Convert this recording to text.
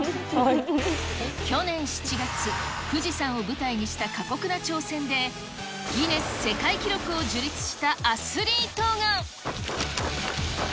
去年７月、富士山を舞台にした過酷な挑戦で、ギネス世界記録を樹立したアスリートが。